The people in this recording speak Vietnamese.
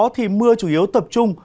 thì mưa chủ yếu tập trung